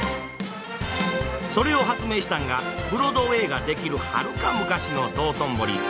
それを発明したんがブロードウェイが出来るはるか昔の道頓堀。